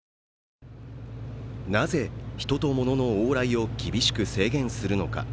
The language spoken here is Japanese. なぜ、人と物の往来を厳しく制限するのか。